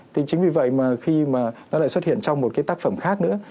thì chính vì vậy mà khi mà nó lại xuất hiện trong một cái tác phẩm khác nữa